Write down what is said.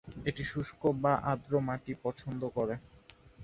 এটি শুষ্ক বা আর্দ্র মাটি পছন্দ করে।